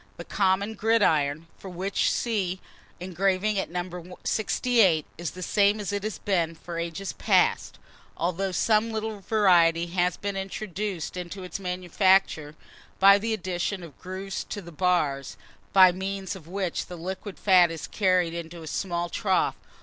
The common gridiron, for which see engraving at No. 68, is the same as it has been for ages past, although some little variety has been introduced into its manufacture, by the addition of grooves to the bars, by means of which the liquid fat is carried into a small trough.